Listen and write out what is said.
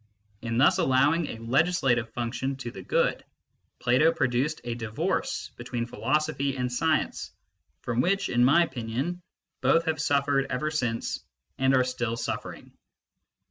In thus allowing a legislative function to the good, Plato produced a divorce between philosophy and science, from which, in my opinion, both have suffered ever since and are still suffering.